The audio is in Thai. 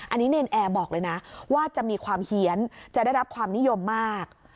อันนี้เนรนแอร์บอกเลยนะว่าจะมีความเฮียนจะได้รับความนิยมมาก